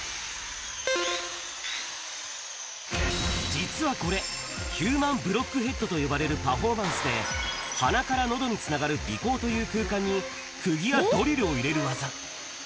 実はこれ、ヒューマンブロックヘッドと呼ばれるパフォーマンスで、鼻からのどにつながる鼻孔という空間に、くぎやドリルを入れる技。